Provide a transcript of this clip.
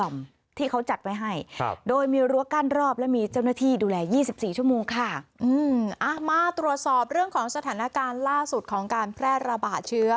มาตรวจสอบเรื่องของสถานการณ์ล่าสุดของการแพร่ระบาดเชื้อ